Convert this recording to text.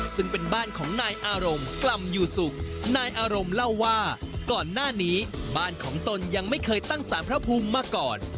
ซึ่งเป็นบ้านของนายอารมณ์กล่ำอยู่สุขนายอารมณ์เล่าว่าก่อนหน้านี้บ้านของตนยังไม่เคยตั้งสารพระภูมิมาก่อน